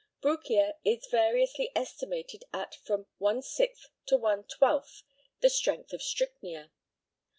Brucia is variously estimated at from one sixth to one twelfth the strength of strychnia.